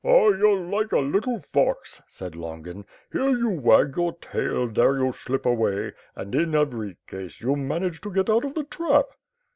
'' "Ah, you're like a little fox," said Longin, *Tiere you wag your tail, there you slip away, and, in every case, you manage to get out of the trap."